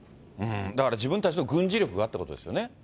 だから自分たちの軍事力あってのことですよね。